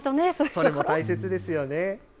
それも大切ですよね。